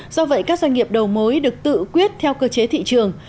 do vậy các doanh nghiệp đầu mối được tự quyết theo cơ chế thị trường